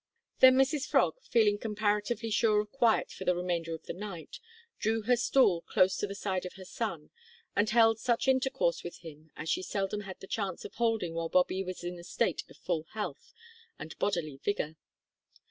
Then Mrs Frog, feeling comparatively sure of quiet for the remainder of the night, drew her stool close to the side of her son, and held such intercourse with him as she seldom had the chance of holding while Bobby was in a state of full health and bodily vigour.